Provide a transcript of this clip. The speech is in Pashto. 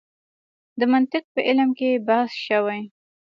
د منطق په علم کې بحث شوی.